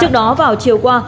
trước đó vào chiều qua